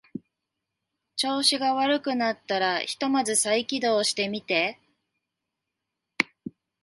調子が悪くなったらひとまず再起動してみて